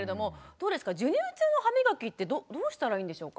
どうですか授乳中の歯みがきってどうしたらいいんでしょうか？